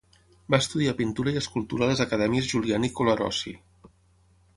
Va estudiar pintura i escultura a les acadèmies Julian i Colarossi.